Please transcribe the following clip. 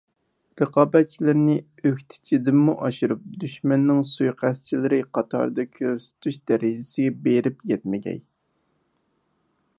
رىقابەتچىلىرىنى ئۆكتىچىدىنمۇ ئاشۇرۇپ «دۈشمەننىڭ سۇيىقەستچىلىرى» قاتارىدا كۆرسىتىش دەرىجىسىگە بېرىپ يەتمىگەي.